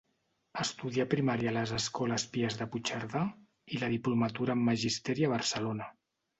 Estudià primària a les Escoles Pies de Puigcerdà i la diplomatura en magisteri a Barcelona.